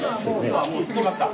今もう過ぎました。